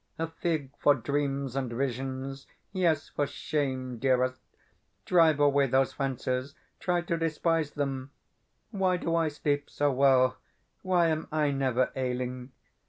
A fig for dreams and visions! Yes, for shame, dearest! Drive away those fancies; try to despise them. Why do I sleep so well? Why am I never ailing?